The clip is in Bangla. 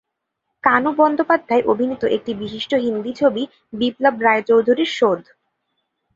কানু বন্দ্যোপাধ্যায় অভিনীত একটি বিশিষ্ট হিন্দি ছবি বিপ্লব রায়চৌধুরীর ‘শোধ’।